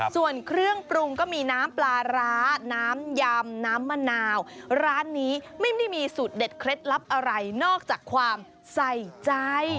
ส่วนเครื่องปรุงก็มีน้ำปลาร้าน้ำยำน้ำมะนาวร้านนี้ไม่ได้มีสูตรเด็ดเคล็ดลับอะไรนอกจากความใส่ใจ